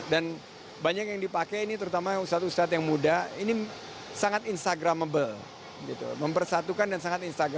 dan banyak yang dipakai ini terutama ustadz ustadz yang muda ini sangat instagramable mempersatukan dan sangat instagramable